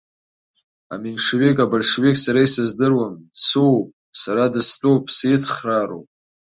Аменшевик-абольшевик сара исыздыруам, дсуоуп, сара дыстәуп, сицхраароуп!